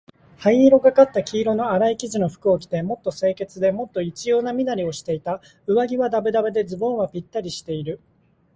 灰色がかった黄色のあらい生地の服を着て、もっと清潔で、もっと一様な身なりをしていた。上衣はだぶだぶで、ズボンはぴったりしている。